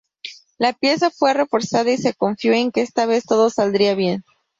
La pieza fue reforzada y se confió en que esta vez todo saldría bien.